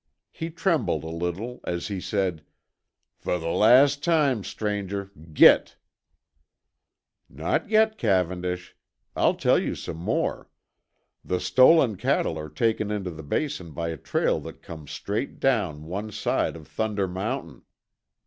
He trembled a little as he said, "Fer the last time, stranger, git." "Not yet, Cavendish. I'll tell you some more. The stolen cattle are taken into the Basin by a trail that comes straight down one side of Thunder Mountain.